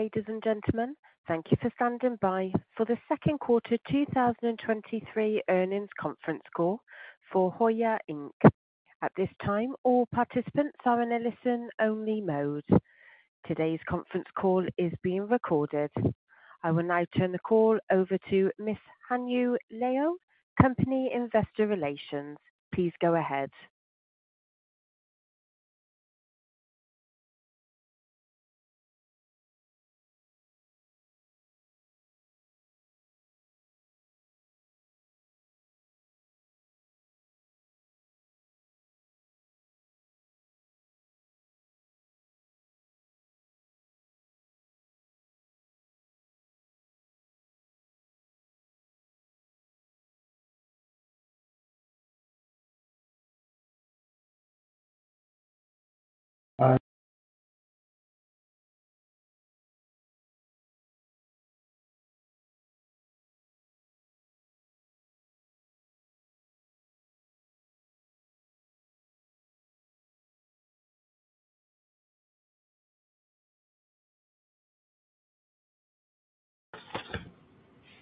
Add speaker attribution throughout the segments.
Speaker 1: Hello, ladies and gentlemen. Thank you for standing by for the second quarter 2023 earnings conference call for HUYA Inc. At this time, all participants are in a listen-only mode. Today's conference call is being recorded. I will now turn the call over to Ms. Hanyu Liu, Company Investor Relations. Please go ahead.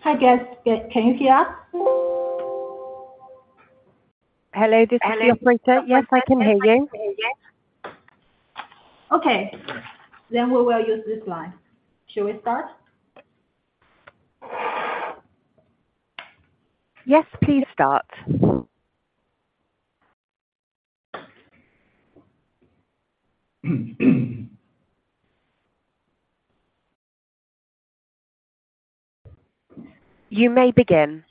Speaker 2: Hi, guys. Can you hear us?
Speaker 1: Hello, this is the operator. Yes, I can hear you.
Speaker 2: Okay. We will use this line. Should we start?
Speaker 1: Yes, please start. You may begin.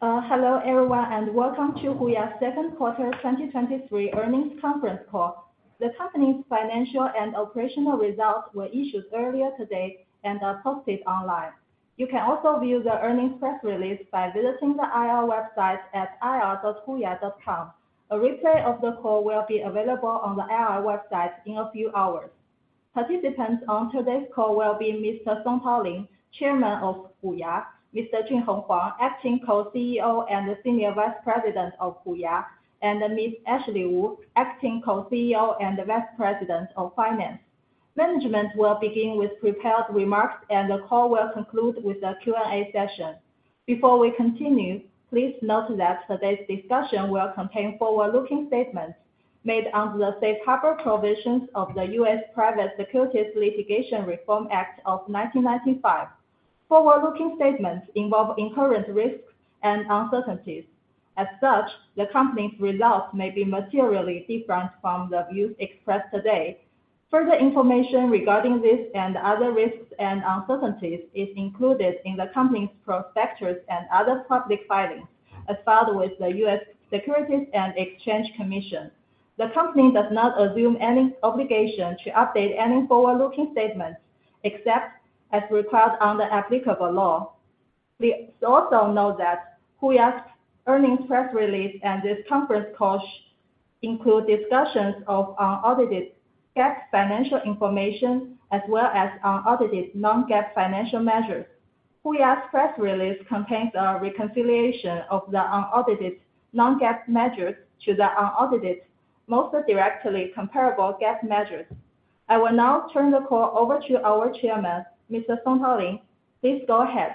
Speaker 2: Hello, everyone, and welcome to HUYA's second quarter 2023 earnings conference call. The company's financial and operational results were issued earlier today and are posted online. You can also view the earnings press release by visiting the IR website at ir.huya.com. A replay of the call will be available on the IR website in a few hours. Participants on today's call will be Mr. Songtao Lin, Chairman of HUYA, Mr. Junhong Huang, Acting Co-CEO and Senior Vice President of HUYA, and Ms. Ashley Wu, Acting Co-CEO and Vice President of Finance. Management will begin with prepared remarks, and the call will conclude with a Q and A session. Before we continue, please note that today's discussion will contain forward-looking statements made under the safe harbor provisions of the U.S. Private Securities Litigation Reform Act of 1995. Forward-looking statements involve inherent risks and uncertainties. As such, the company's results may be materially different from the views expressed today. Further information regarding this and other risks and uncertainties is included in the company's prospectus and other public filings as filed with the US Securities and Exchange Commission. The company does not assume any obligation to update any forward-looking statements except as required under applicable law. Please also note that HUYA's earnings press release and this conference call include discussions of unaudited GAAP financial information, as well as unaudited non-GAAP financial measures. HUYA's press release contains a reconciliation of the unaudited non-GAAP measures to the unaudited, mostly directly comparable GAAP measures. I will now turn the call over to our chairman, Mr. Songtao Lin. Please go ahead.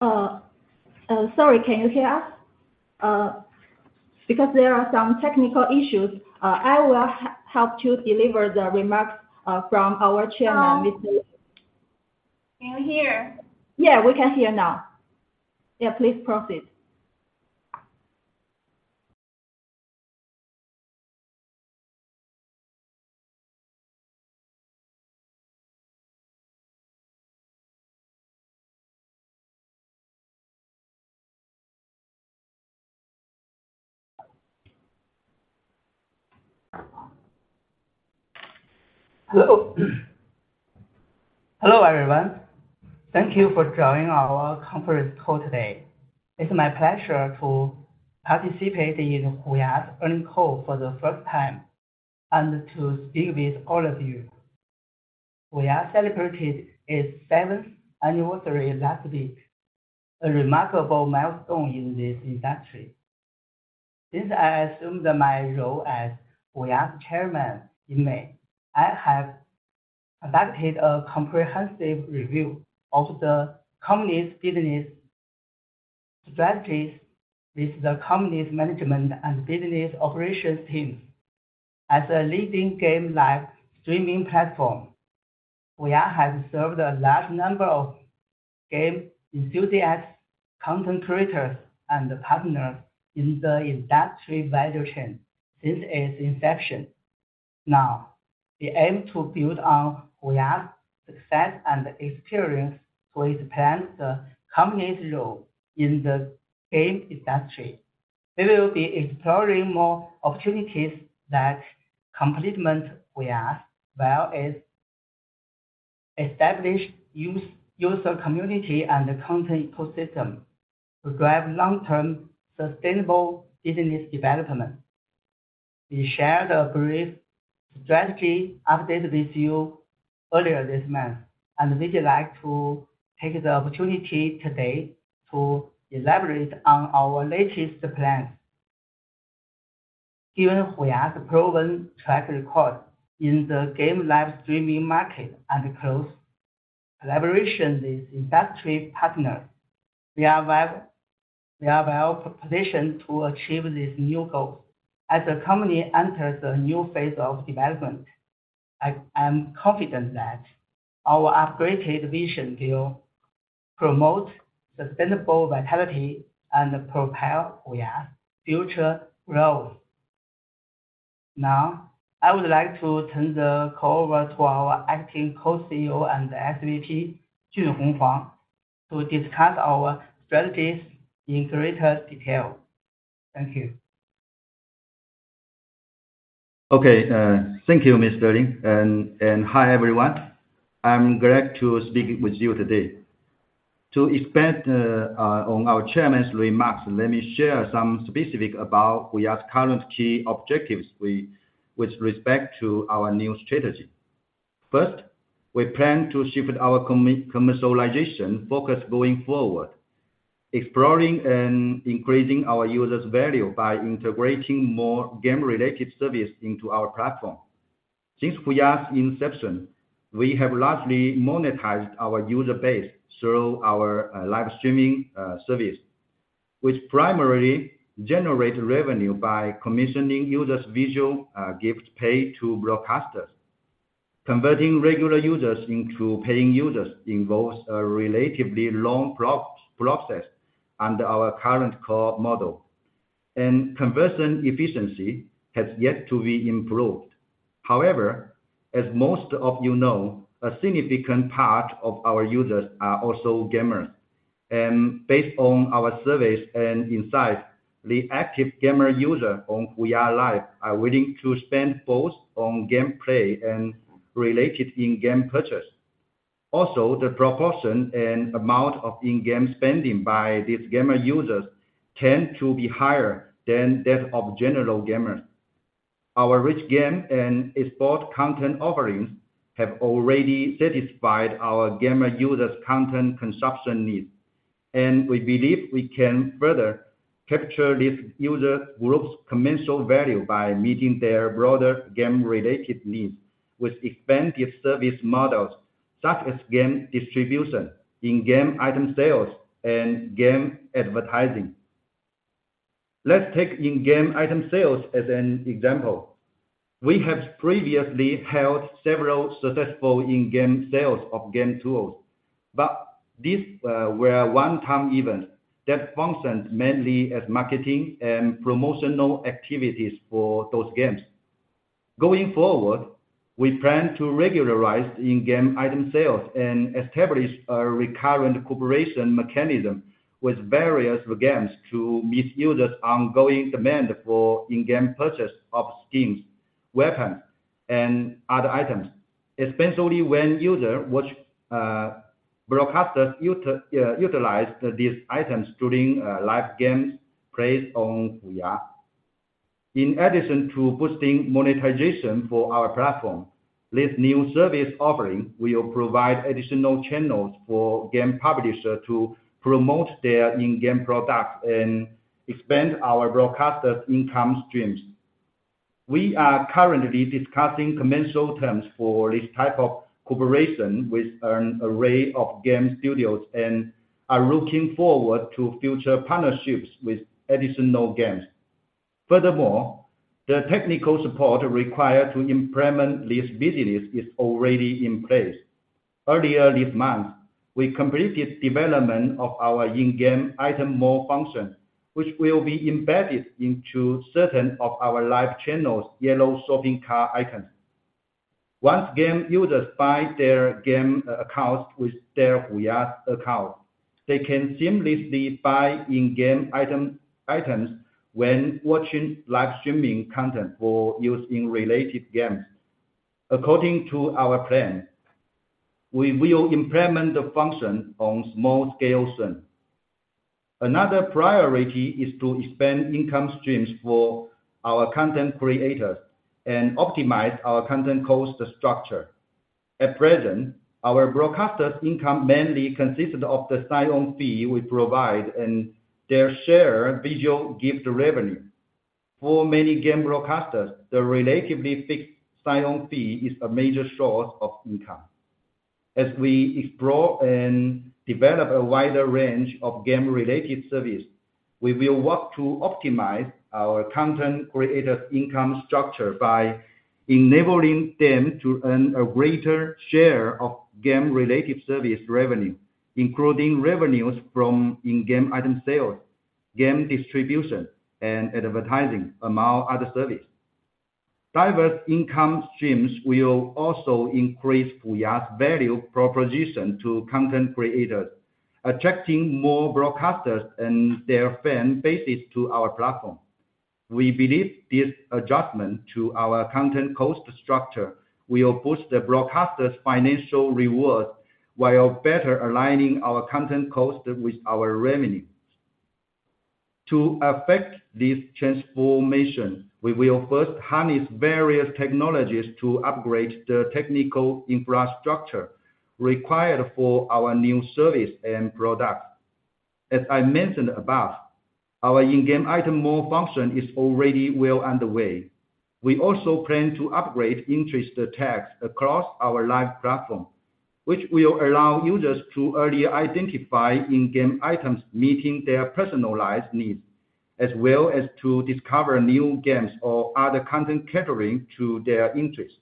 Speaker 1: Sorry, can you hear us? Because there are some technical issues, I will help to deliver the remarks from our chairman, Mr.
Speaker 2: Hello. Can you hear?
Speaker 1: Yeah, we can hear now. Yeah, please proceed.
Speaker 3: Hello, hello, everyone. Thank you for joining our conference call today. It's my pleasure to participate in HUYA's earnings call for the first time, and to speak with all of you. We are celebrated its 7th anniversary last week, a remarkable milestone in this industry. Since I assumed my role as HUYA's chairman in May, I have conducted a comprehensive review of the company's business strategies with the company's management and business operations team. As a leading game live streaming platform, HUYA has served a large number of game enthusiasts, content creators, and partners in the industry value chain since its inception. We aim to build on HUYA's success and experience to expand the company's role in the game industry. We will be exploring more opportunities that complement HUYA, as well as establish user community and the content ecosystem to drive long-term sustainable business development. We shared a brief strategy update with you earlier this month. We'd like to take the opportunity today to elaborate on our latest plans. Given HUYA's proven track record in the game live streaming market and close collaboration with industry partners, we are well, we are well positioned to achieve this new goal. As the company enters a new phase of development, I am confident that our upgraded vision will promote sustainable vitality and propel HUYA's future growth. Now, I would like to turn the call over to our Acting Co-CEO and SVP, Junhong Huang, to discuss our strategies in greater detail. Thank you.
Speaker 4: Okay, thank you, Mr. Lin, and hi, everyone. I'm glad to speak with you today. To expand on our chairman's remarks, let me share some specific about HUYA's current key objectives with respect to our new strategy. First, we plan to shift our commercialization focus going forward, exploring and increasing our users' value by integrating more game-related services into our platform. Since HUYA's inception, we have largely monetized our user base through our live streaming service, which primarily generate revenue by commissioning users virtual gifts paid to broadcasters. Converting regular users into paying users involves a relatively long process under our current core model, conversion efficiency has yet to be improved. However, as most of you know, a significant part of our users are also gamers. Based on our surveys and insights, the active gamer user on HUYA Live are willing to spend both on gameplay and related in-game purchase. Also, the proportion and amount of in-game spending by these gamer users tend to be higher than that of general gamers. Our rich game and esports content offerings have already satisfied our gamer users' content consumption needs, and we believe we can further capture this user group's commercial value by meeting their broader game-related needs with expansive service models, such as game distribution, in-game item sales, and game advertising. Let's take in-game item sales as an example. We have previously held several successful in-game sales of game tools, but these were one-time events that functioned mainly as marketing and promotional activities for those games. Going forward, we plan to regularize in-game item sales and establish a recurrent cooperation mechanism with various games to meet users' ongoing demand for in-game purchase of skins, weapons, and other items, especially when user watch broadcasters utilize these items during live games played on HUYA. In addition to boosting monetization for our platform, this new service offering will provide additional channels for game publishers to promote their in-game products and expand our broadcasters' income streams. We are currently discussing commercial terms for this type of cooperation with an array of game studios, and are looking forward to future partnerships with additional games. Furthermore, the technical support required to implement this business is already in place. Earlier this month, we completed development of our in-game item mall function, which will be embedded into certain of our live channels' yellow shopping cart icon. Once game users bind their game accounts with their HUYA account. They can seamlessly buy in-game item, items when watching live streaming content for use in related games. According to our plan, we will implement the function on small scale soon. Another priority is to expand income streams for our content creators and optimize our content cost structure. At present, our broadcasters' income mainly consisted of the sign-on fee we provide and their share virtual gift revenue. For many game broadcasters, the relatively fixed sign-on fee is a major source of income. As we explore and develop a wider range of game-related service, we will work to optimize our content creator income structure by enabling them to earn a greater share of game-related service revenue, including revenues from in-game item sales, game distribution, and advertising, among other services. Diverse income streams will also increase HUYA's value proposition to content creators, attracting more broadcasters and their fan bases to our platform. We believe this adjustment to our content cost structure will boost the broadcasters' financial reward, while better aligning our content cost with our revenue. To affect this transformation, we will first harness various technologies to upgrade the technical infrastructure required for our new service and products. As I mentioned above, our in-game item mall function is already well underway. We also plan to upgrade interest tags across our live platform, which will allow users to earlier identify in-game items meeting their personalized needs, as well as to discover new games or other content catering to their interests.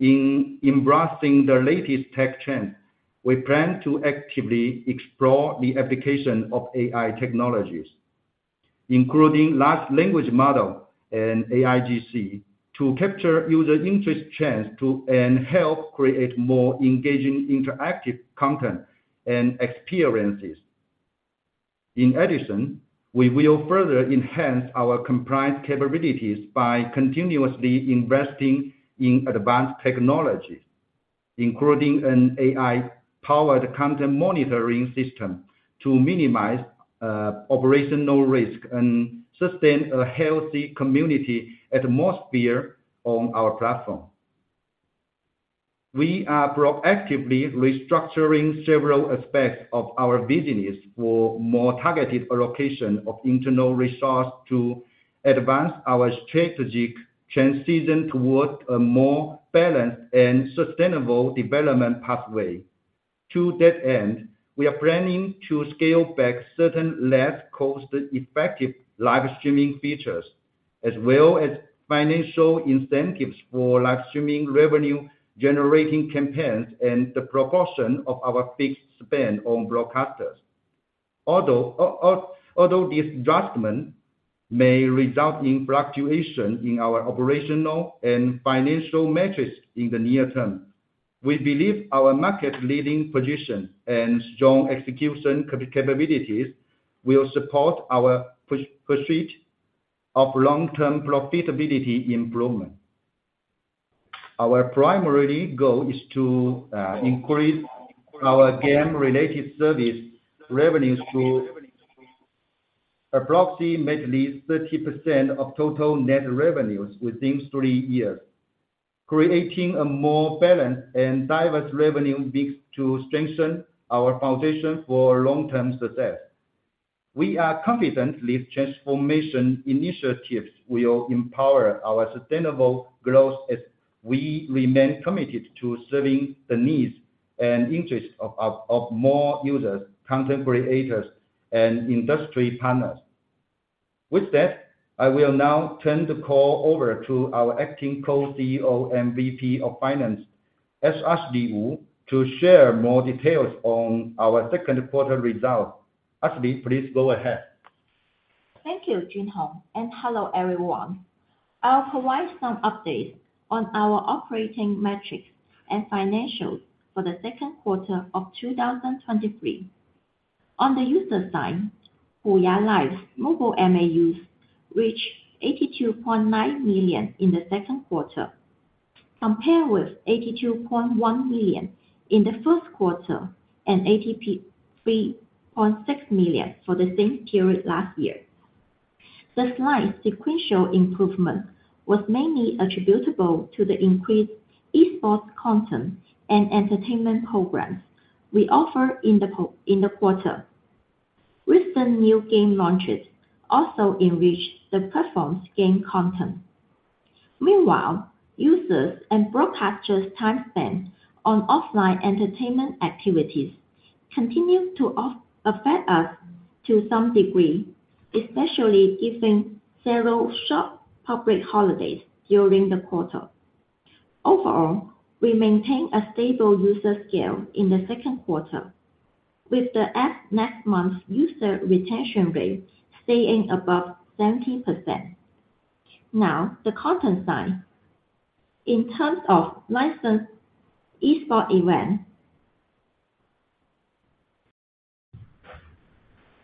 Speaker 4: In embracing the latest tech trend, we plan to actively explore the application of AI technologies, including large language model and AIGC, to capture user interest trends and help create more engaging, interactive content and experiences. In addition, we will further enhance our compliance capabilities by continuously investing in advanced technologies, including an AI-powered content monitoring system, to minimize operational risk and sustain a healthy community atmosphere on our platform. We are proactively restructuring several aspects of our business for more targeted allocation of internal resource to advance our strategic transition towards a more balanced and sustainable development pathway. To that end, we are planning to scale back certain less cost-effective live streaming features, as well as financial incentives for live streaming revenue-generating campaigns and the proportion of our fixed spend on broadcasters. Although this adjustment may result in fluctuation in our operational and financial metrics in the near term, we believe our market-leading position and strong execution capabilities will support our pursuit of long-term profitability improvement. Our primary goal is to increase our game-related service revenues to approximately at least 30% of total net revenues within three years, creating a more balanced and diverse revenue mix to strengthen our foundation for long-term success. We are confident these transformation initiatives will empower our sustainable growth as we remain committed to serving the needs and interests of, of, of more users, content creators, and industry partners. With that, I will now turn the call over to our Acting Co-CEO and Vice President of Finance, Ashley Wu, to share more details on our second quarter results. Ashley, please go ahead.
Speaker 5: Thank you, Junhong. Hello, everyone. I'll provide some updates on our operating metrics and financials for the second quarter of 2023. On the user side, HUYA Live's mobile MAUs reached 82.9 million in the second quarter, compared with 82.1 million in the first quarter and 83.6 million for the same period last year. The slight sequential improvement was mainly attributable to the increased esports content and entertainment programs we offer in the quarter. Recent new game launches also enriched the platform's game content. Meanwhile, users and broadcasters' time spent on offline entertainment activities continued to affect us to some degree, especially given several short public holidays during the quarter. Overall, we maintained a stable user scale in the second quarter, with the next-month user retention rate staying above 70%. Now, the content side. In terms of licensed Esports event,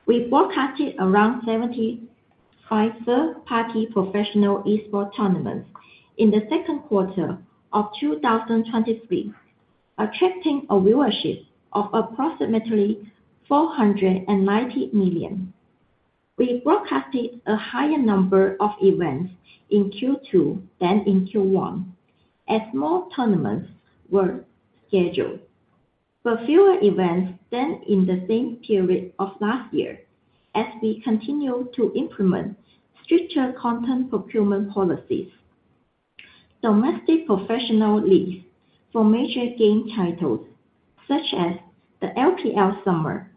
Speaker 5: we broadcasted around 75 third party professional Esports tournaments in the second quarter of 2023, attracting a viewership of approximately 490 million. We broadcasted a higher number of events in Q2 than in Q1, as more tournaments were scheduled, but fewer events than in the same period of last year, as we continue to implement stricter content procurement policies. Domestic professional leagues for major game titles, such as the LPL Summer,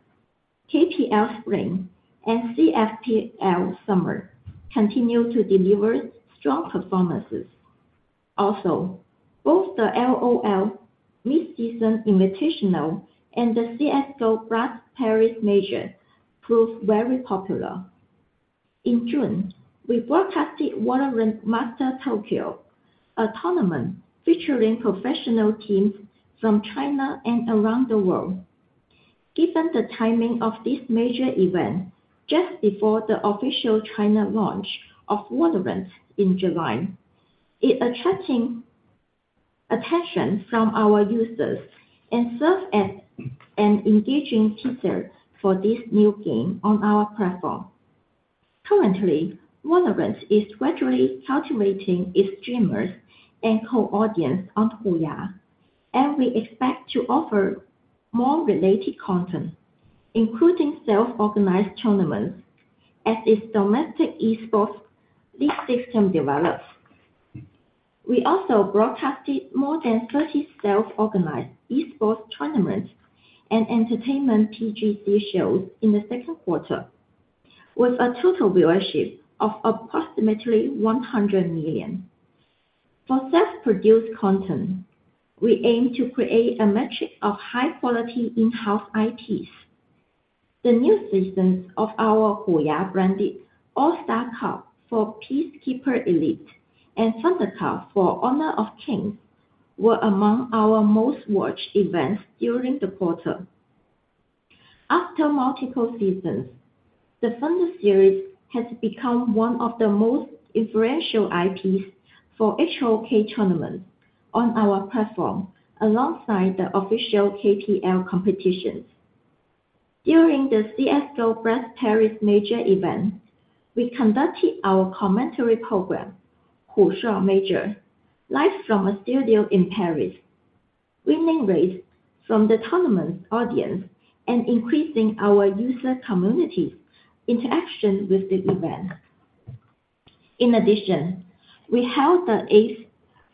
Speaker 5: KPL Spring, and CFPL Summer, continue to deliver strong performances. Both the LOL Mid-Season Invitational and the CS:GO BLAST Paris Major proved very popular. In June, we broadcasted Valorant Masters Tokyo, a tournament featuring professional teams from China and around the world. Given the timing of this major event, just before the official China launch of Valorant in July, it attracting attention from our users and served as an engaging teaser for this new game on our platform. Currently, Valorant is gradually cultivating its streamers and core audience on HUYA, and we expect to offer more related content, including self-organized tournaments, as its domestic Esports league system develops. We also broadcasted more than 30 self-organized Esports tournaments and entertainment PGC shows in the second quarter, with a total viewership of approximately 100 million. For self-produced content, we aim to create a matrix of high quality in-house IPs. The new seasons of our HUYA branded All-Star Cup for Peacekeeper Elite and Thunder Cup for Honor of Kings, were among our most watched events during the quarter. After multiple seasons, the Thunder series has become one of the most influential IPs for HOK tournaments on our platform, alongside the official KPL competitions. During the CS:GO BLAST Paris Major event, we conducted our commentary program, HUYA Major, live from a studio in Paris, winning raves from the tournament audience and increasing our user community interaction with the event. In addition, we held the 8th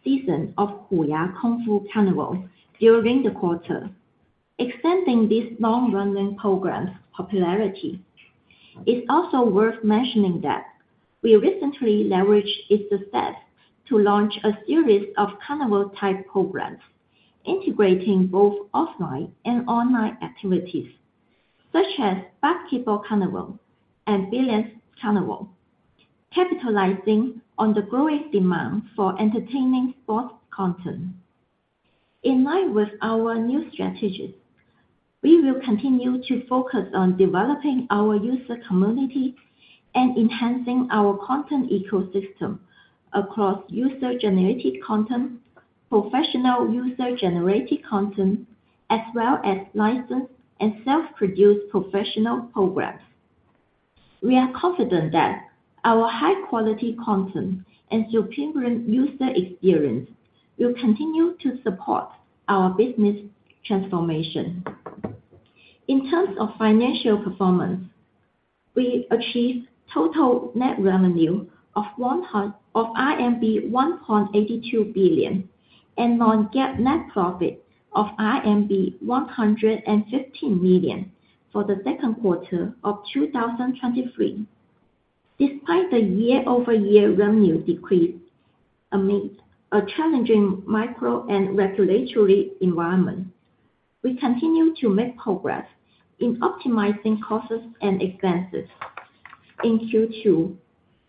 Speaker 5: season of HUYA Kung Fu Carnival during the quarter, extending this long-running program's popularity. It's also worth mentioning that we recently leveraged its success to launch a series of carnival type programs, integrating both offline and online activities, such as Basketball Carnival and Billiards Carnival, capitalizing on the growing demand for entertaining sports content. In line with our new strategies, we will continue to focus on developing our user community and enhancing our content ecosystem across user-generated content, professional user-generated content, as well as licensed and self-produced professional programs. We are confident that our high quality content and superior user experience will continue to support our business transformation. In terms of financial performance, we achieved total net revenue of RMB 1.82 billion, and non-GAAP net profit of RMB 115 million for the second quarter of 2023. Despite the year-over-year revenue decrease amid a challenging macro and regulatory environment, we continue to make progress in optimizing costs and expenses. In Q2,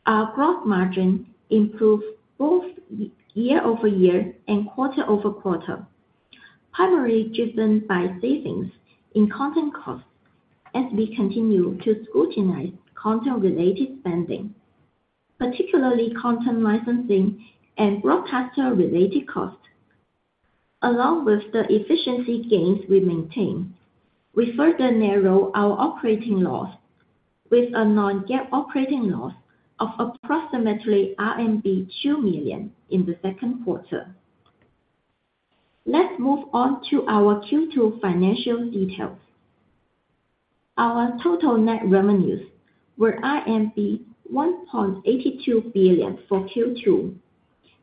Speaker 5: our gross margin improved both year-over-year and quarter-over-quarter, primarily driven by savings in content costs, as we continue to scrutinize content-related spending, particularly content licensing and broadcaster-related costs. Along with the efficiency gains we maintain, we further narrow our operating loss with a non-GAAP operating loss of approximately RMB 2 million in the second quarter. Let's move on to our Q2 financial details. Our total net revenues were 1.82 billion for Q2,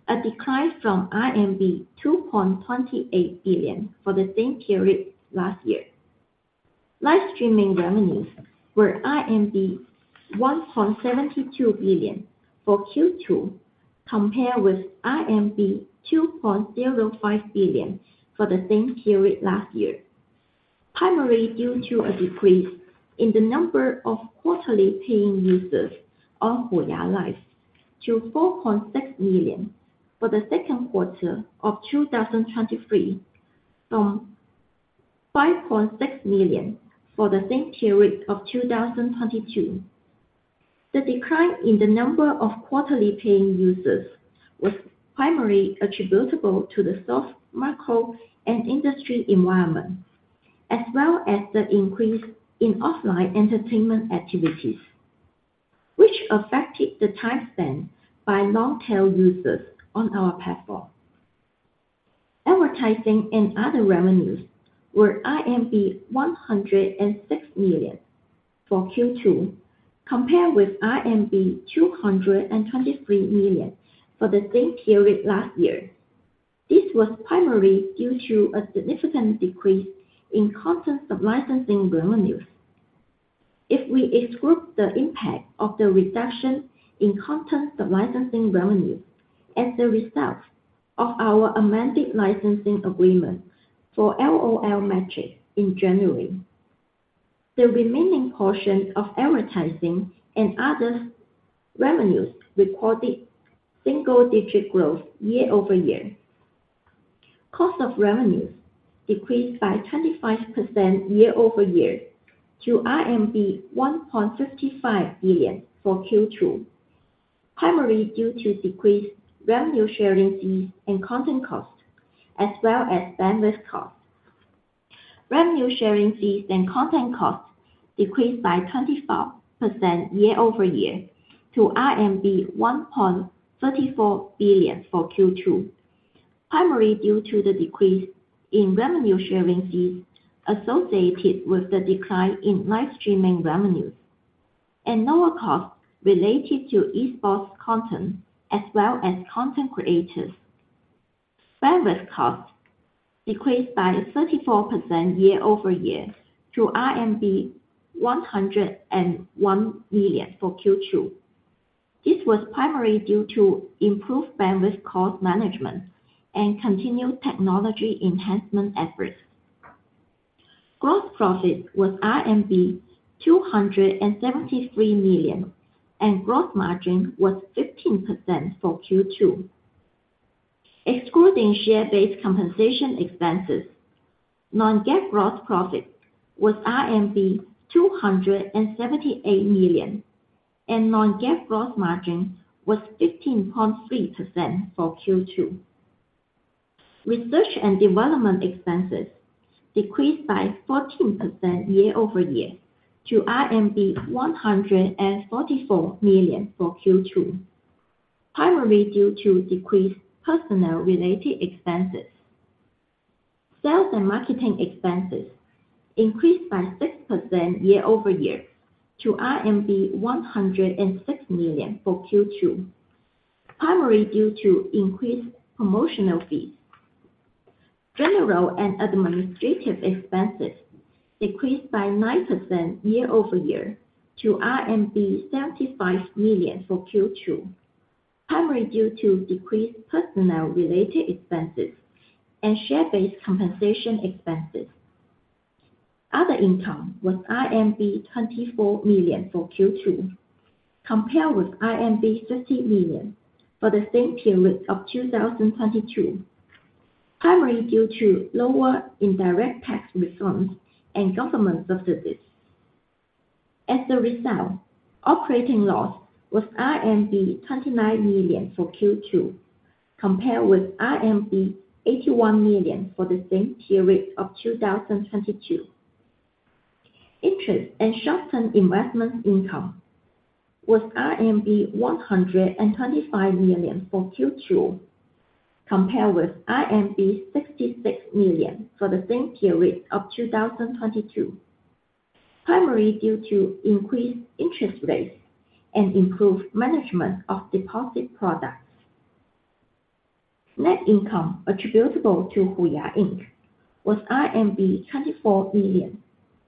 Speaker 5: a decline from 2.28 billion for the same period last year. Live streaming revenues were 1.72 billion for Q2, compared with 2.05 billion for the same period last year. primarily due to a decrease in the number of quarterly paying users on HUYA Live to 4.6 million for the second quarter of 2023, from 5.6 million for the same period of 2022. The decline in the number of quarterly paying users was primarily attributable to the soft macro and industry environment, as well as the increase in offline entertainment activities, which affected the time spent by long-tail users on our platform. Advertising and other revenues were 106 million for Q2, compared with 223 million for the same period last year. This was primarily due to a significant decrease in content sub-licensing revenues. If we exclude the impact of the reduction in content sub-licensing revenues as a result of our amended licensing agreement for LOL matches in January, the remaining portion of advertising and other revenues recorded single-digit growth year-over-year. Cost of revenues decreased by 25% year-over-year to RMB 1.55 billion for Q2, primarily due to decreased revenue sharing fees and content costs, as well as bandwidth costs. Revenue sharing fees and content costs decreased by 24% year-over-year to RMB 1.34 billion for Q2, primarily due to the decrease in revenue sharing fees associated with the decline in live streaming revenues and lower costs related to Esports content, as well as content creators. Bandwidth costs decreased by 34% year-over-year to RMB 101 million for Q2. This was primarily due to improved bandwidth cost management and continued technology enhancement efforts. Gross profit was RMB 273 million, and gross margin was 15% for Q2. Excluding share-based compensation expenses, non-GAAP gross profit was RMB 278 million, and non-GAAP gross margin was 15.3% for Q2. Research and development expenses decreased by 14% year-over-year to RMB 144 million for Q2, primarily due to decreased personnel-related expenses. Sales and marketing expenses increased by 6% year-over-year to RMB 106 million for Q2, primarily due to increased promotional fees. General and administrative expenses decreased by 9% year-over-year to RMB 75 million for Q2, primarily due to decreased personnel-related expenses and share-based compensation expenses. Other income was RMB 24 million for Q2, compared with RMB 50 million for the same period of 2022, primarily due to lower indirect tax refunds and government subsidies. As a result, operating loss was RMB 29 million for Q2, compared with RMB 81 million for the same period of 2022. Interest and short-term investment income was RMB 125 million for Q2, compared with RMB 66 million for the same period of 2022, primarily due to increased interest rates and improved management of deposit products. Net income attributable to HUYA Inc. Was RMB 24 million,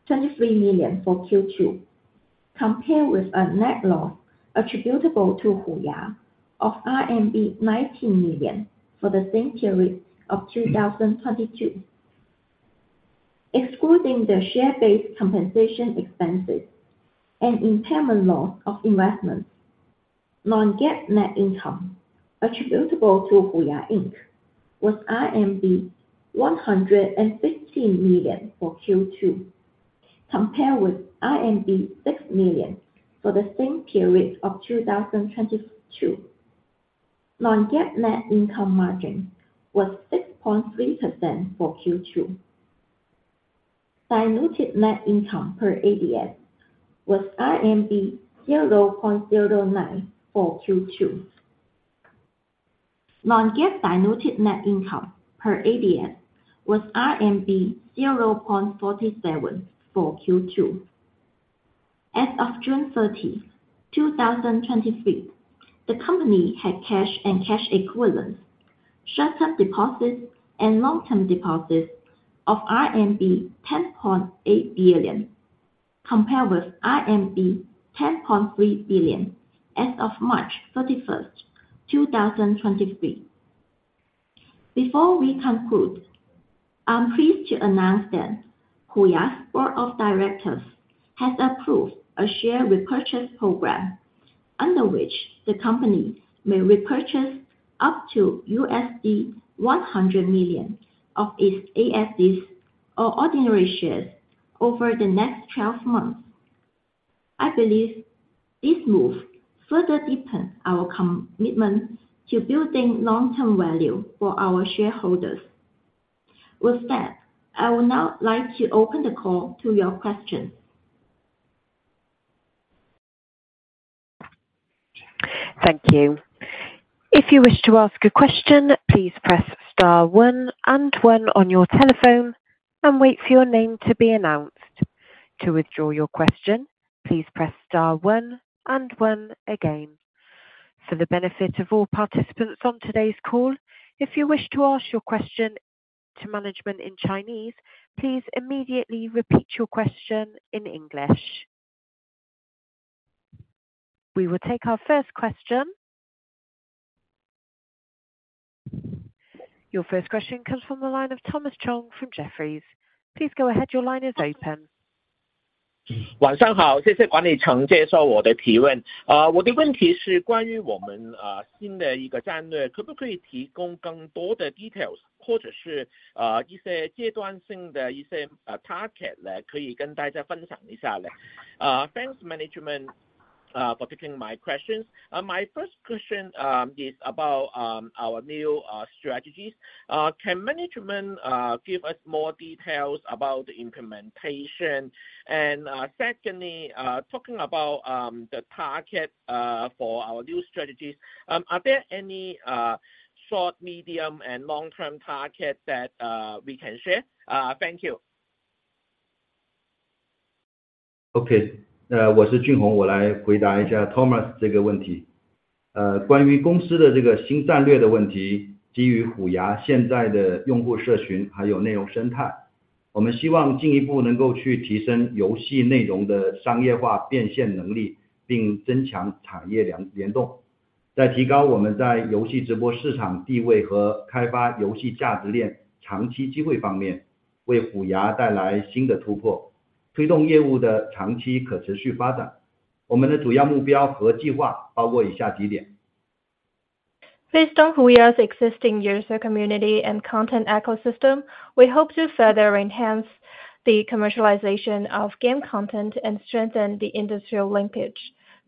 Speaker 5: 23 million for Q2, compared with a net loss attributable to HUYA of RMB 19 million for the same period of 2022. Excluding the share-based compensation expenses and impairment loss of investments, non-GAAP net income attributable to HUYA Inc. was RMB 115 million for Q2, compared with RMB 6 million for the same period of 2022. Non-GAAP net income margin was 6.3% for Q2. Diluted net income per ADS was RMB 0.09 for Q2. Non-GAAP diluted net income per ADS was RMB 0.47 for Q2. As of June 30th, 2023, the company had cash and cash equivalents, short-term deposits, and long-term deposits of RMB 10.8 billion, compared with RMB 10.3 billion as of March 31st, 2023. Before we conclude, I'm pleased to announce that HUYA's board of directors has approved a share repurchase program, under which the company may repurchase up to $100 million of its ADS or ordinary shares over the next 12 months. I believe this move further deepens our commitment to building long-term value for our shareholders. With that, I would now like to open the call to your questions.
Speaker 1: Thank you. If you wish to ask a question, please press star one and one on your telephone and wait for your name to be announced. To withdraw your question, please press star one and one again. For the benefit of all participants on today's call, if you wish to ask your question to management in Chinese, please immediately repeat your question in English. We will take our first question. Your first question comes from the line of Thomas Chong from Jefferies. Please go ahead. Your line is open.
Speaker 6: 晚上 好, 谢谢管理层接受我的提问。我的问题是关于我们新的一个战 略， 可不可以提供更多的 details， 或者是一些阶段性的一些 ，target 呢， 可以跟大家分享一下 呢？ Thanks, management, for taking my questions. My first question is about our new strategies. Can management give us more details about the implementation? Secondly, talking about the target for our new strategies, are there any short, medium, and long-term target that we can share? Thank you.
Speaker 4: Okay.我 是 Junhong, 我来回答一下 Thomas 这个问 题. 关于公司的这个新战略的问 题, 基于 HUYA 现在的用户社 群, 还有内容生 态, 我们希望进一步能够去提升游戏内容的商业化变现能 力, 并增强产业 联, 联 动. 在提高我们在游戏直播市场地位和开发游戏价值链长期机会方 面, 为 HUYA 带来新的突 破, 推动业务的长期可持续发 展. 我们的主要目标和计划包括以下几 点.
Speaker 7: Based on HUYA's existing user community and content ecosystem, we hope to further enhance the commercialization of game content and strengthen the industrial linkage,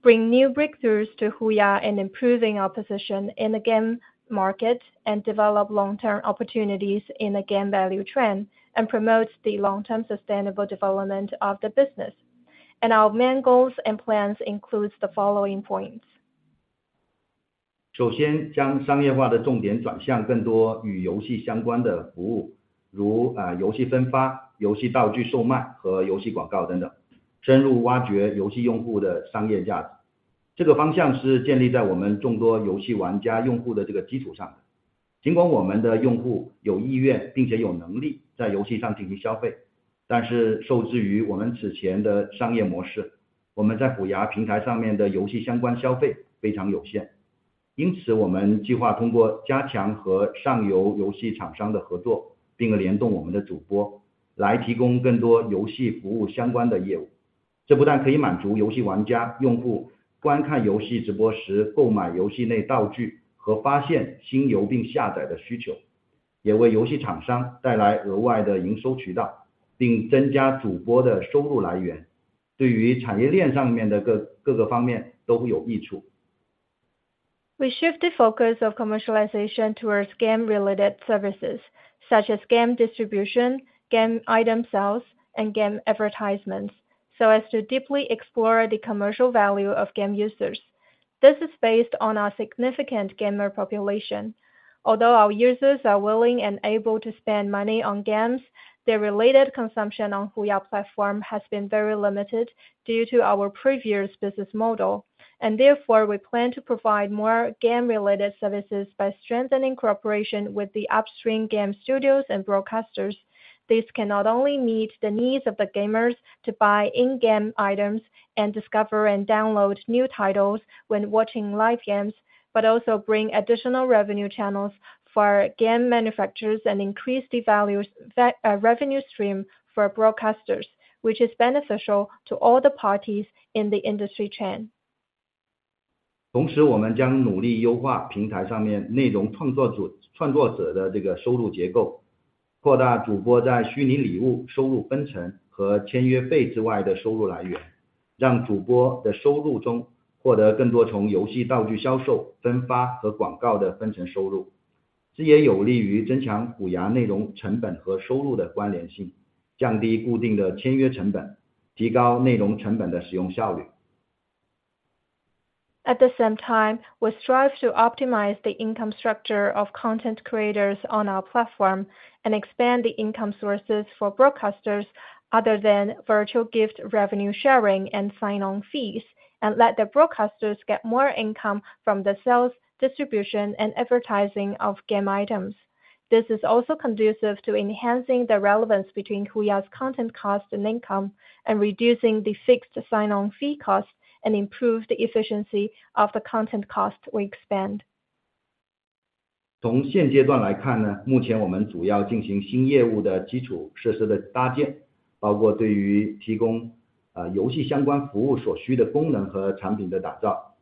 Speaker 7: bring new breakthroughs to HUYA and improving our position in the game market, and develop long-term opportunities in the game value chain, and promote the long-term sustainable development of the business. Our main goals and plans includes the following points.
Speaker 4: 首先将商业化的重点转向更多与游戏相关的服 务， 如 呃， 游戏分发、游戏道具售卖和游戏广告等 等， 深入挖掘游戏用户的商业价值。这个方向是建立在我们众多游戏玩家用户的这个基础 上， 尽管我们的用户有意愿并且有能力在游戏上进行消 费, 但是受制于我们之前的商业模 式, 我们在虎牙平台上面的游戏相关消费非常有限。因 此, 我们计划通过加强和上游游戏厂商的合 作, 并联动我们的主播来提供更多游戏服务相关的业务。这不但可以满足游戏玩家用户观看游戏直播时购买游戏内道具和发现新游并下载的需 求， 也为游戏厂商带来额外的营收渠 道， 并增加主播的收入来源。对于产业链上面的各-各个方面都有益处。
Speaker 7: We shift the focus of commercialization towards game-related services, such as game distribution, game item sales, and game advertisements, so as to deeply explore the commercial value of game users. This is based on our significant gamer population. Although our users are willing and able to spend money on games, their related consumption on HUYA platform has been very limited due to our previous business model, and therefore, we plan to provide more game-related services by strengthening cooperation with the upstream game studios and broadcasters. This can not only meet the needs of the gamers to buy in-game items and discover and download new titles when watching live games, but also bring additional revenue channels for game manufacturers and increase the values, fa, revenue stream for broadcasters, which is beneficial to all the parties in the industry chain.
Speaker 4: 同 时， 我们将努力优化平台上面内容创作 组， 创作者的这个收入结 构， 扩大主播在虚拟礼物、收入分成和签约费之外的收入来 源， 让主播的收入中获得更多从游戏道具销售、分发和广告的分成收 入， 这也有利于增强虎牙内容成本和收入的关联 性， 降低固定的签约成 本， 提高内容成本的使用效率。
Speaker 7: At the same time, we strive to optimize the income structure of content creators on our platform and expand the income sources for broadcasters other than virtual gift revenue sharing and sign-on fees, and let the broadcasters get more income from the sales, distribution, and advertising of game items. This is also conducive to enhancing the relevance between HUYA's content cost and income, and reducing the fixed sign-on fee cost and improve the efficiency of the content cost we expand.
Speaker 4: 从现阶段来看 呢, 目前我们主要进行新业务的基础设施的搭 建, 包括对于提供游戏相关服务所需的功能和产品的打 造.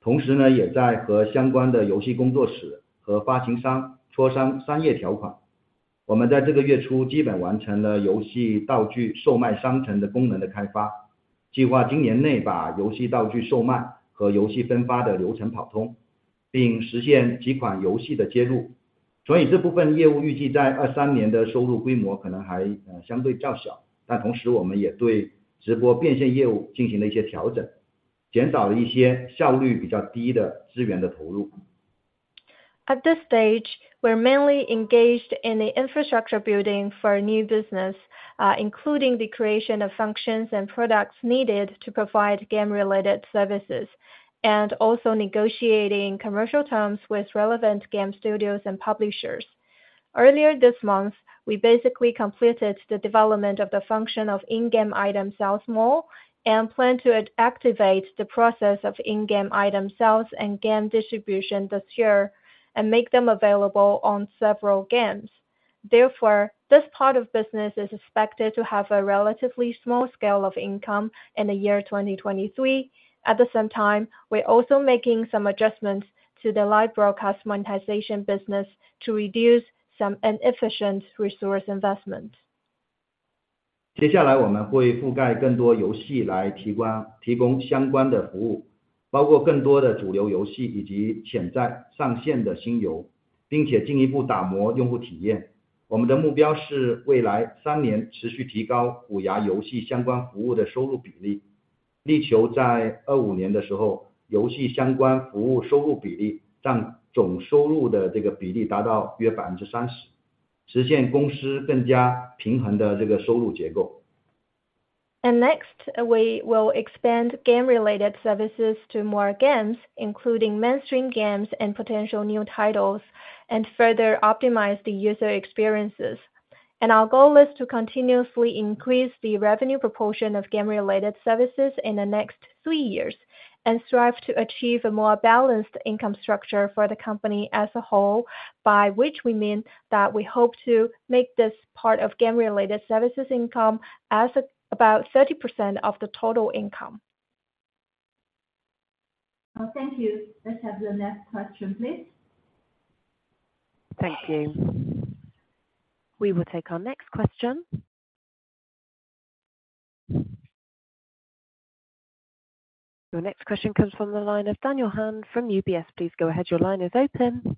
Speaker 4: 同时 呢, 也在和相关的游戏工作室和发行商磋商商业条 款. 我们在这个月初基本完成了游戏道具售卖商城的功能的开 发, 计划今年内把游戏道具售卖和游戏分发的流程跑 通, 并实现几款游戏的接 入, 所以这部分业务预计在2023年的收入规模可能 还, 相对较 小. 但同时我们也对直播变现业务进行了一些调 整, 减少了一些效率比较低的资源的投 入.
Speaker 7: At this stage, we are mainly engaged in the infrastructure building for new business, including the creation of functions and products needed to provide game-related services, and also negotiating commercial terms with relevant game studios and publishers. Earlier this month, we basically completed the development of the function of In-game item sales mall, and plan to activate the process of in-game item sales and game distribution this year, and make them available on several games. Therefore, this part of business is expected to have a relatively small scale of income in the year 2023. At the same time, we are also making some adjustments to the live broadcast monetization business to reduce some inefficient resource investment.
Speaker 4: 接下来我们会覆盖更多游戏来提 关， 提供相关的服 务， 包括更多的主流游戏以及潜在上线的新 游， 并且进一步打磨用户体验。我们的目标是未来三年持续提高虎牙游戏相关服务的收入比 例， 力求在2025年的时 候， 游戏相关服务收入比例占总收入的这个比例达到约 30%， 实现公司更加平衡的这个收入结构。
Speaker 7: Next, we will expand game related services to more games, including mainstream games and potential new titles, and further optimize the user experiences. Our goal is to continuously increase the revenue proportion of game related services in the next three years, and strive to achieve a more balanced income structure for the company as a whole, by which we mean that we hope to make this part of game related services income as about 30% of the total income.
Speaker 2: Oh, thank you. Let's have the next question, please.
Speaker 1: Thank you. We will take our next question. Your next question comes from the line of Daniel Chen from UBS. Please go ahead. Your line is open.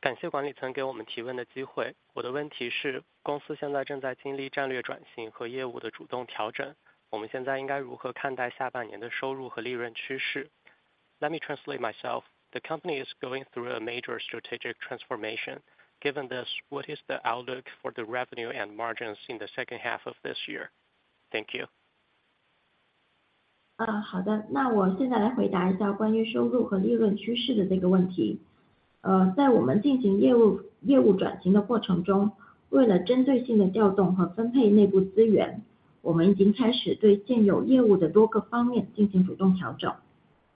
Speaker 8: 感谢管理层给我们提问的机会。我的问题 是， 公司现在正在经历战略转型和业务的主动调 整， 我们现在应该如何看待下半年的收入和利润趋势 ？Let me translate myself, the company is going through a major strategic transformation. Given this, what is the outlook for the revenue and margins in the second half of this year? Thank you.
Speaker 5: 呃， 好 的， 那我现在来回答一下关于收入和利润趋势的这个问题。呃， 在我们进行业 务， 业务转型的过程 中， 为了针对性地调动和分配内部资 源， 我们已经开始对现有业务的多个方面进行主动调整。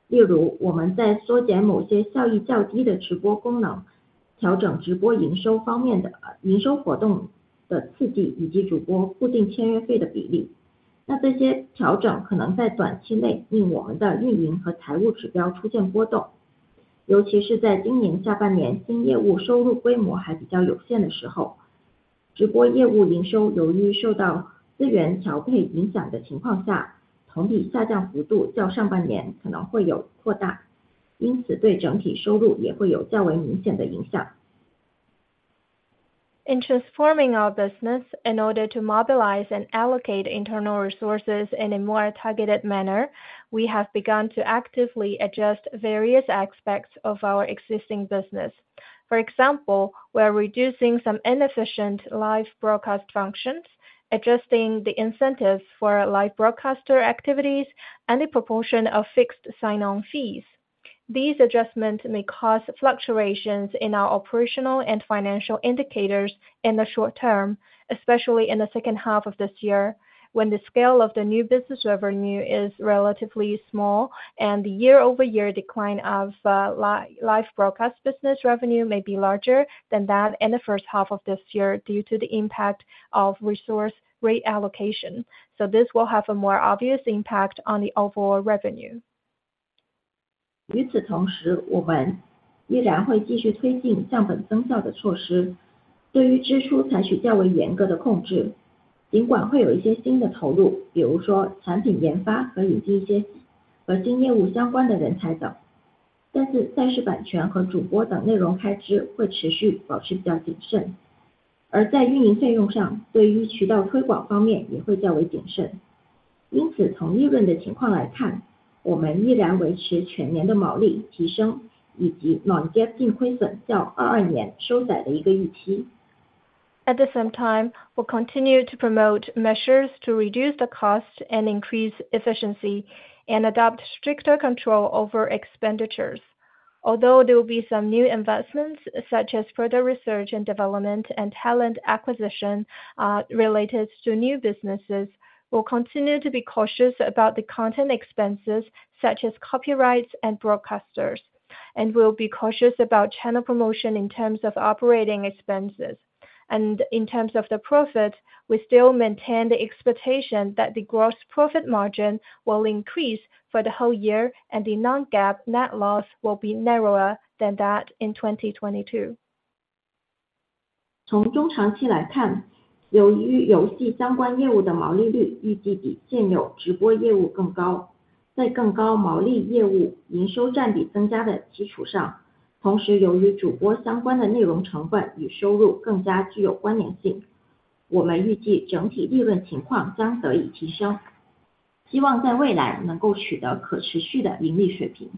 Speaker 5: 例如我们在缩减某些效益较低的直播功 能， 调整直播营收方面的 呃， 营收活动的刺 激， 以及主播固定签约费的比例。那这些调整可能在短期内令我们的运营和财务指标出现波动，尤其是在今年下半 年， 新业务收入规模还比较有限的时 候， 直播业务营收由于受到资源调配影响的情况 下， 同比下降幅度较上半年可能会有扩 大， 因此对整体收入也会有较为明显的影响。
Speaker 7: In transforming our business in order to mobilize and allocate internal resources in a more targeted manner, we have begun to actively adjust various aspects of our existing business. For example, we are reducing some inefficient live broadcast functions, adjusting the incentives for live broadcaster activities and the proportion of fixed sign on fees. These adjustments may cause fluctuations in our operational and financial indicators in the short term, especially in the second half of this year, when the scale of the new business revenue is relatively small, and the year-over-year decline of live broadcast business revenue may be larger than that in the first half of this year, due to the impact of resource reallocation. This will have a more obvious impact on the overall revenue.
Speaker 5: 与此同 时， 我们依然会继续推进降本增效的措 施， 对于支出采取较为严格的控 制， 尽管会有一些新的投 入， 比如说产品研发和引进一些和新业务相关的人才等。但是赛事版权和主播等内容开支会持续保持比较谨慎。而在运营费用 上， 对于渠道推广方面也会较为谨慎。因 此， 从利润的情况来 看， 我们依然维持全年的毛利提升以及 non GAAP 净亏损较二二年收窄的一个预期。
Speaker 7: At the same time, we'll continue to promote measures to reduce the cost and increase efficiency, and adopt stricter control over expenditures. Although there will be some new investments, such as further research and development and talent acquisition, related to new businesses, we'll continue to be cautious about the content expenses such as copyrights and broadcasters, and we'll be cautious about channel promotion in terms of operating expenses. In terms of the profit, we still maintain the expectation that the gross profit margin will increase for the whole year and the non-GAAP net loss will be narrower than that in 2022.
Speaker 5: 从中长期来看，由于游戏相关业务的毛利率预计比现有直播业务更 高， 在更高毛利业务营收占比增加的基础 上， 同时由于主播相关的内容成本与收入更加具有关联 性， 我们预计整体利润情况将得以提 升， 希望在未来能够取得可持续的盈利水平。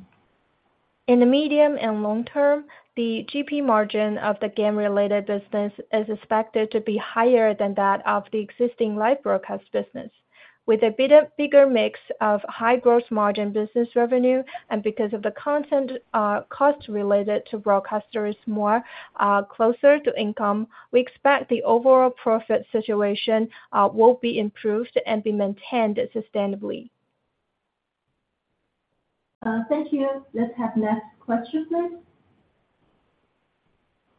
Speaker 7: In the medium and long term, the GP margin of the game related business is expected to be higher than that of the existing live broadcast business, with a bit bigger mix of high gross margin business revenue and because of the content, cost related to broadcasters more, closer to income, we expect the overall profit situation, will be improved and be maintained sustainably.
Speaker 5: Thank you. Let's have next question, please.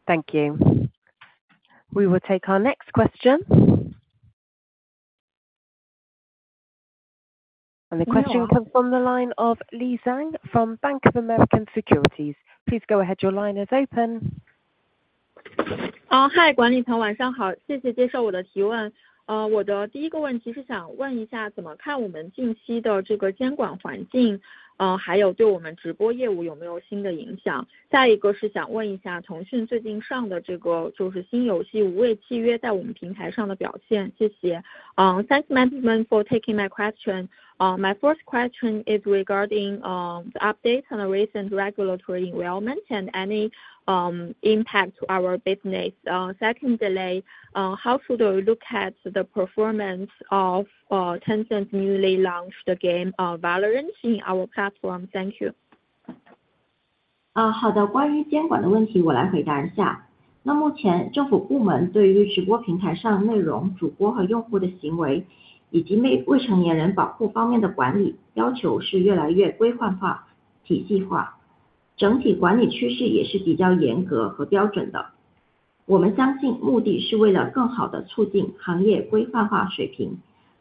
Speaker 1: Thank you. We will take our next question. The question comes from the line of Lei Zhang from Bank of America Merrill Lynch. Please go ahead, your line is open.
Speaker 9: 嗨， 管理层晚上 好， 谢谢接受我的提问。我的第一个问题是想问一 下， 怎么看我们近期的这个监管环 境， 还有对我们直播业务有没有新的影 响？ 下一个是想问一下腾讯最近上的这个新游戏 VALORANT 在我们平台上的表现。谢谢。Thanks management for taking my question. My first question is regarding the update on the recent regulatory environment and any impact to our business. Second delay, how should we look at the performance of Tencent's newly launched game, Valorant in our platform? Thank you.
Speaker 5: 啊， 好 的， 关于监管的问题我来回答一下。那目前政府部门对于直播平台上的内容、主播和用户的行 为， 以及 未， 未成年人保护方面的管理要求是越来越规范化、体系 化， 整体管理趋势也是比较严格和标准 的， 我们相信目的是为了更好地促进行业规范化水 平，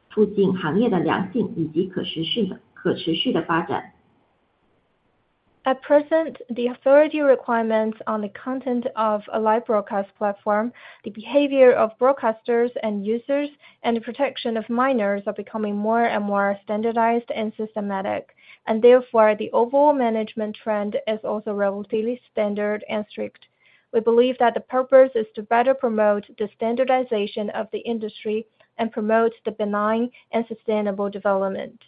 Speaker 5: 促进行业的良性以及可持 续， 可持续的发展。
Speaker 7: At present, the authority requirements on the content of a live broadcast platform, the behavior of broadcasters and users, and the protection of minors are becoming more and more standardized and systematic, and therefore, the overall management trend is also relatively standard and strict. We believe that the purpose is to better promote the standardization of the industry and promote the benign and sustainable development.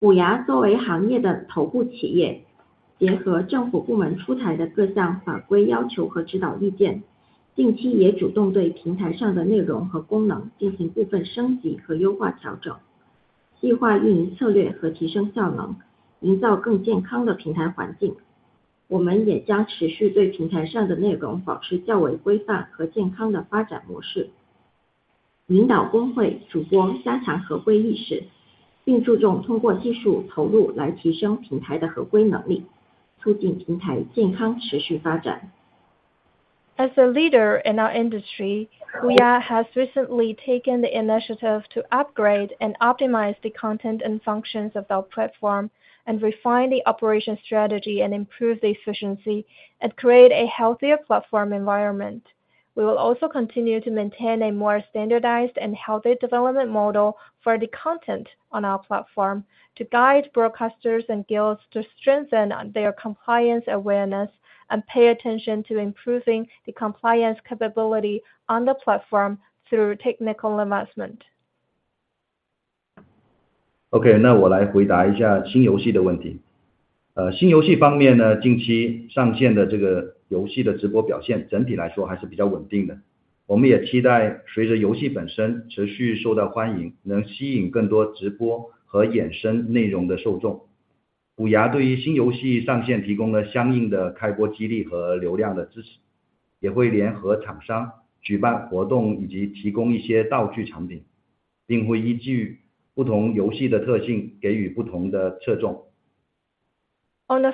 Speaker 5: 虎牙作为行业的头部企 业， 结合政府部门出台的各项法规要求和指导意 见， 近期也主动对平台上的内容和功能进行部分升级和优化调 整， 计划运营策略和提升效 能， 营造更健康的平台环境。我们也将持续对平台上的内容保持较为规范和健康的发展模 式， 引导公会主播加强合规意 识， 并注重通过技术投入来提升平台的合规能 力， 促进平台健康持续发展。
Speaker 7: As a leader in our industry, HUYA has recently taken the initiative to upgrade and optimize the content and functions of our platform and refine the operation strategy and improve the efficiency and create a healthier platform environment. We will also continue to maintain a more standardized and healthy development model for the content on our platform, to guide broadcasters and guilds to strengthen their compliance awareness, and pay attention to improving the compliance capability on the 平台通过 technical investment.
Speaker 4: OK， 那我来回答一下新游戏的问题。呃， 新游戏方面 呢， 近期上线的这个游戏的直播表现整体来说还是比较稳定 的， 我们也期待随着游戏本身持续受到欢 迎， 能吸引更多直播和衍生内容的受众。虎牙对于新游戏上线提供了相应的开播激励和流量的支 持， 也会联合厂商举办活 动， 以及提供一些道具产 品， 并会依据不同游戏的特性给予不同的侧重。
Speaker 7: On the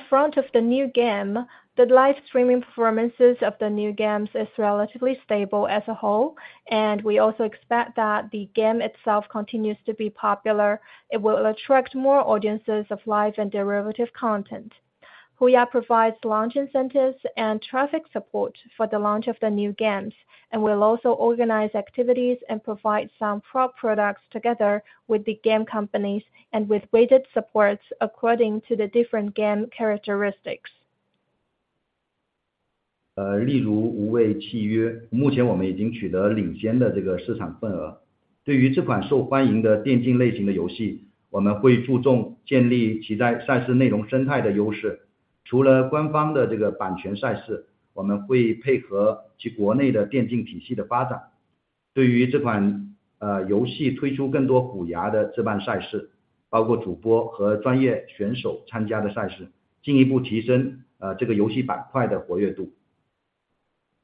Speaker 7: front of the new game, the live streaming performances of the new games is relatively stable as a whole. We also expect that the game itself continues to be popular. It will attract more audiences of live and derivative content. HUYA provides launch incentives and traffic support for the launch of the new games, and will also organize activities and provide some prop products together with the game companies and with weighted supports according to the different game characteristics.
Speaker 4: 呃， 例如无畏契 约， 目前我们已经取得领先的这个市场份 额。... 对于这款受欢迎的电竞类型的游 戏， 我们会注重建立其在赛事内容生态的优势。除了官方的这个版权赛 事， 我们会配合其国内的电竞体系的发 展， 对于这款 呃， 游戏推出更多虎牙的自办赛 事， 包括主播和专业选手参加的赛 事， 进一步提升 呃， 这个游戏板块的活跃度。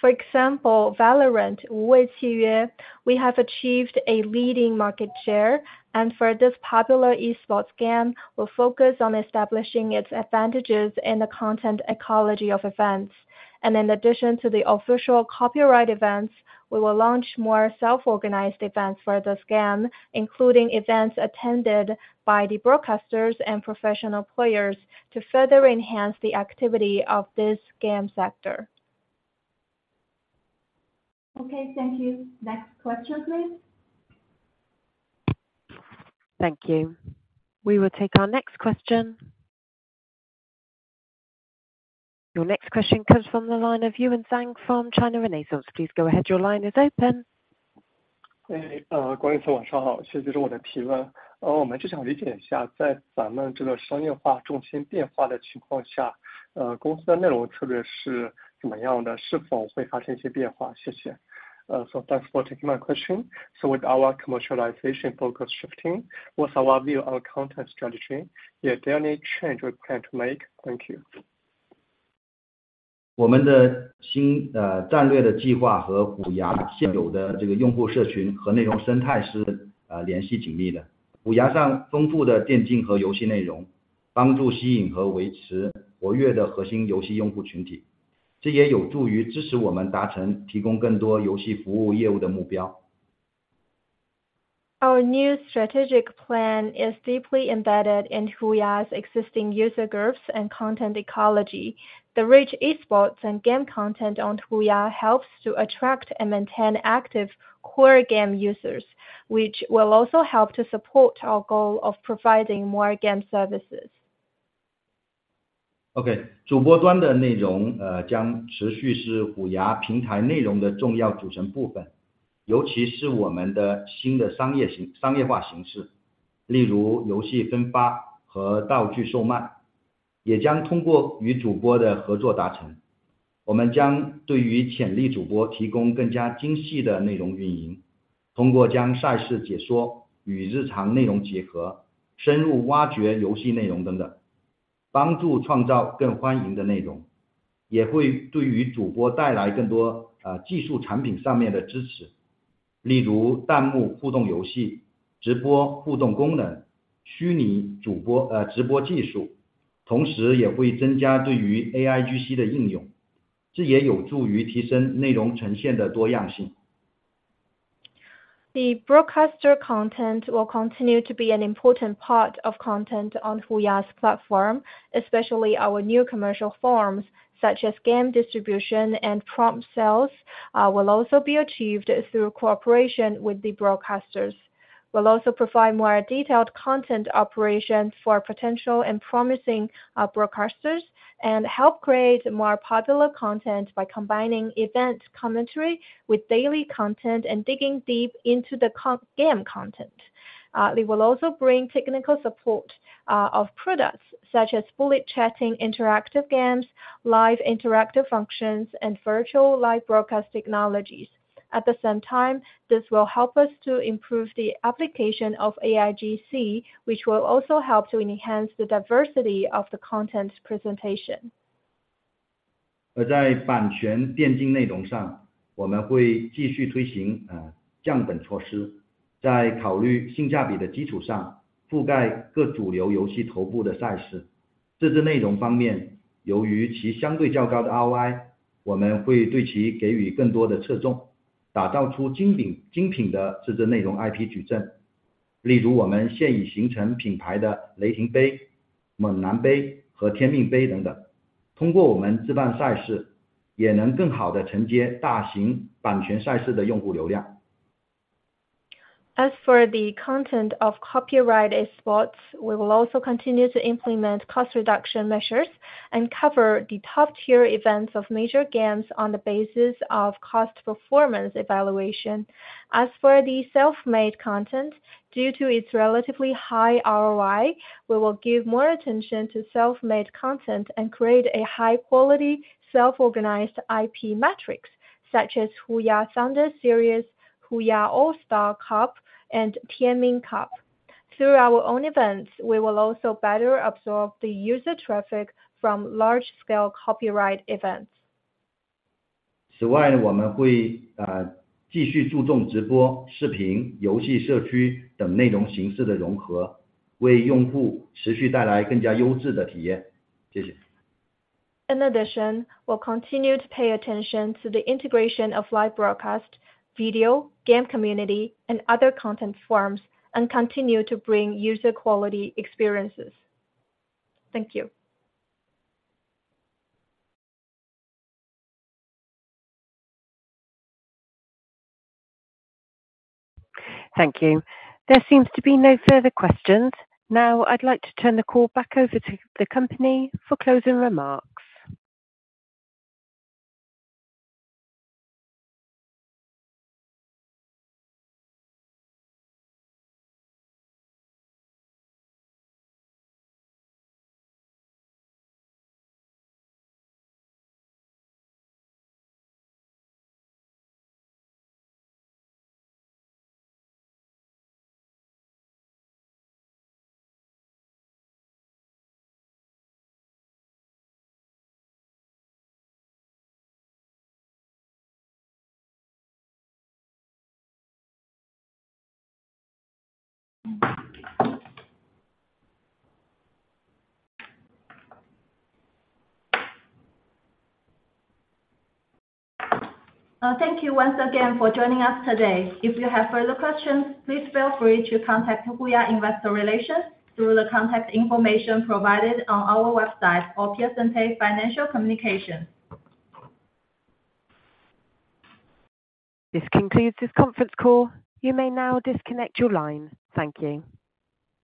Speaker 7: For example, Valorant 无畏契约. We have achieved a leading market share and for this popular Esports game, we'll focus on establishing its advantages in the content ecology of events. In addition to the official copyright events, we will launch more self-organized events for this game, including events attended by the broadcasters and professional players, to further enhance the activity of this game sector.
Speaker 2: Okay, thank you. Next question please.
Speaker 1: Thank you. We will take our next question. Your next question comes from the line of Yiwen Zhang from China Renaissance. Please go ahead, your line is open.
Speaker 10: 哎，国立晚上好，谢谢！这是我的提问。我们就想理解一下，在咱们这个商业化重心变化的情况下，公司的内容策略是怎么样，是否会发生一些变化？谢谢！Thanks for taking my question. With our commercialization focus shifting, what's our view on content strategy? Yeah, there are any change we plan to make? Thank you.
Speaker 4: 我们的 新， 战略的计划和虎牙现有的这个用户社群和内容生态 是， 联系紧密的。虎牙上丰富的电竞和游戏内 容， 帮助吸引和维持活跃的核心游戏用户群 体， 这也有助于支持我们达成提供更多游戏服务业务的目标。
Speaker 7: Our new strategic plan is deeply embedded in HUYA's existing user groups and content ecology. The rich Esports and game content on HUYA helps to attract and maintain active core game users, which will also help to support our goal of providing more game services.
Speaker 4: OK, 主播端的内容将持续是 HUYA 平台内容的重要组成部 分, 尤其是我们的新的商业化形 式, 例如游戏分发和道具售 卖, 也将通过与主播的合作达 成. 我们将对于潜力主播提供更加精细的内容运 营, 通过将赛事解说与日常内容结 合, 深入挖掘游戏内容等 等, 帮助创造更欢迎的内 容, 也会对于主播带来更多技术产品上面的支 持. 例如弹幕互动游 戏, 直播互动功 能, 虚拟主 播, 直播技 术, 同时也会增加对于 AIGC 的应 用, 这也有助于提升内容呈现的多样 性.
Speaker 7: The broadcaster content will continue to be an important part of content on HUYA's platform, especially our new commercial forms, such as game distribution and prop sales, will also be achieved through cooperation with the broadcasters. We'll also provide more detailed content operations for potential and promising broadcasters, and help create more popular content by combining event commentary with daily content and digging deep into the game content. We will also bring technical support of products such as bullet chatting, interactive games, live interactive functions, and virtual live broadcast technologies. At the same time, this will help us to improve the application of AIGC, which will also help to enhance the diversity of the content presentation.
Speaker 4: 在版权电竞内容 上， 我们会继续推行降本措 施， 在考虑性价比的基础 上， 覆盖各主流游戏头部的赛事。自制内容方 面， 由于其相对较高的 ROI， 我们会对其给予更多的侧 重， 打造出精 品， 精品的自制内容 IP 矩阵。例如我们现已形成品牌的雷霆杯、猛男杯和天命杯等等。通过我们自办赛 事， 也能更好地承接大型版权赛事的用户流量。
Speaker 7: As for the content of copyright Esports, we will also continue to implement cost reduction measures and cover the top tier events of major games on the basis of cost performance evaluation. As for the self-made content, due to its relatively high ROI, we will give more attention to self-made content and create a high quality, self-organized IP matrix, such as HUYA Thunder Series, HUYA All-Star Cup, and Tianming Cup. Through our own events, we will also better absorb the user traffic from large-scale copyright events.
Speaker 4: 此 外， 我们会继续注重直播、视频、游戏、社区等内容形式的融 合， 为用户持续带来更加优质的体验。谢 谢！
Speaker 7: We'll continue to pay attention to the integration of live broadcast, video, game community, and other content forms, and continue to bring user quality experiences. Thank you.
Speaker 1: Thank you. There seems to be no further questions. Now I'd like to turn the call back over to the company for closing remarks.
Speaker 2: Thank you once again for joining us today. If you have further questions, please feel free to contact HUYA Investor Relations through the contact information provided on our website or Piacente Financial Communications.
Speaker 1: This concludes this conference call. You may now disconnect your line. Thank you.